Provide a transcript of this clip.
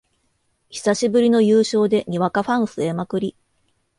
久しぶりの優勝でにわかファン増えまくり